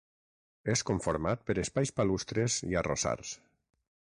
És conformat per espais palustres i arrossars.